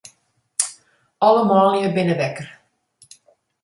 Alle manlju binne wekker.